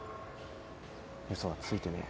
嘘はついてねえ。